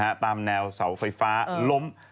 บางส่วนตามแนวเสาไฟฟ้าล้ม